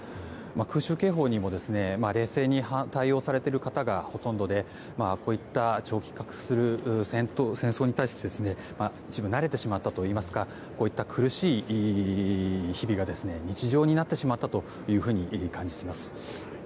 空襲警報にも、冷静に対応されている方がほとんどでこういった長期化する戦争に対して一部慣れてしまったといいますか苦しい日々が日常になってしまったと感じています。